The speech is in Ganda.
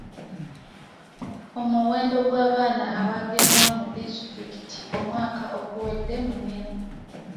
Omuwendo gw'abaana abaagemwa mu disitulikiti omwaka oguwedde munene.